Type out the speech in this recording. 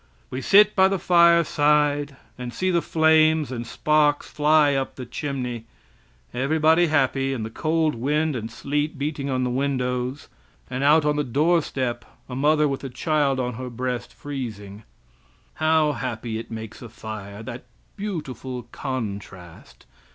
We sit by the fireside and see the flames and sparks fly up the chimney everybody happy, and the cold wind and sleet beating on the window, and out on the doorstep a mother with a child on her breast freezing. How happy it makes a fire, that beautiful contrast.